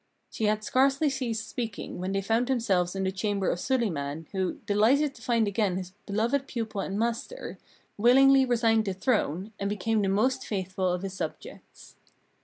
She had scarcely ceased speaking when they found themselves in the chamber of Suliman, who, delighted to find again his beloved pupil and master, willingly resigned the throne, and became the most faithful of his subjects.